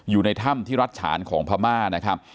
อยู่ในถ้ำที่รัฐฉานของพม่านะครับ